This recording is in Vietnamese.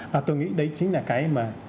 và tôi nghĩ đấy chính là cái mà